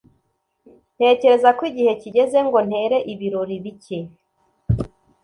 ntekereza ko igihe kigeze ngo ntere ibirori bike